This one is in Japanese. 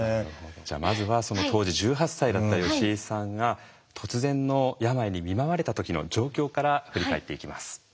じゃあまずはその当時１８歳だった吉井さんが突然の病に見舞われた時の状況から振り返っていきます。